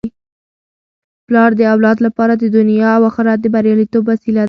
پلار د اولاد لپاره د دنیا او اخرت د بریالیتوب وسیله ده.